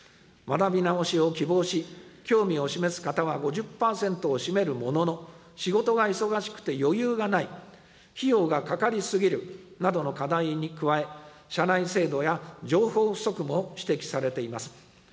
学び直しを希望し、興味を示す方は５０％を占めるものの、仕事が忙しくて余裕がない、費用がかかり過ぎるなどの課題に加え、社内制度や情報不足も指摘されています。